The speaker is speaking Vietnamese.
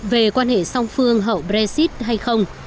về quan hệ song phương hậu brexit hay không